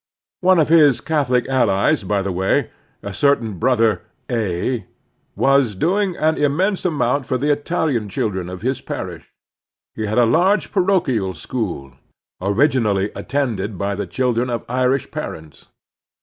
One of his Catholic allies, by the way, a certain Brother A , was doing an im mense amotmt for the Italian children of his parish. He had a large parochial school, originally attended by the children of Irish parents.